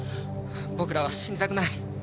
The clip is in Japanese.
僕らは死にたくない。